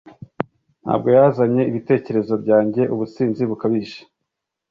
ntabwo yazanye ibitekerezo byanjye ubusinzi bukabije